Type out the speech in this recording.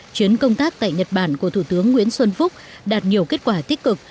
chuyến công tác tại nhật bản của thủ tướng nguyễn xuân phúc đạt nhiều kết quả tích cực